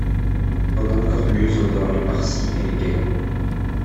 Pendant qu'Ormuz endort les parsis et les guèbres